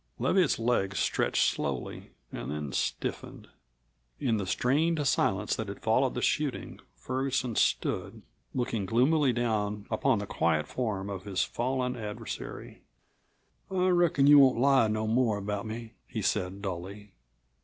Leviatt's legs stretched slowly and then stiffened. In the strained silence that had followed the shooting Ferguson stood, looking gloomily down upon the quiet form of his fallen adversary. "I reckon you won't lie no more about me," he said dully.